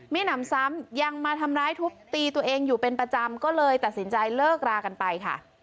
หนำซ้ำยังมาทำร้ายทุบตีตัวเองอยู่เป็นประจำก็เลยตัดสินใจเลิกรากันไปค่ะ